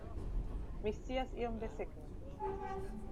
Mi scias iom desegni.